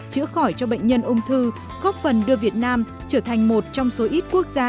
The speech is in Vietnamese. chữa khỏi cho bệnh nhân ung thư góp phần đưa việt nam trở thành một trong số ít quốc gia